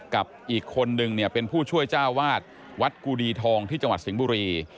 กับอีกคนนึงเนี่ยเป็นผู้ช่วยเจ้าวาดวัดกูดีทองที่จังหวัดสิงห์บุรี